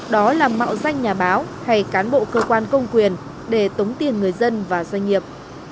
đó là mạo danh nhà báo hay cán bộ cơ quan công quyền để tống tiền người dân và doanh nghiệp